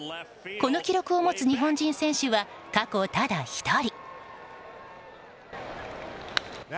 この記録を持つ日本人選手は過去ただ１人。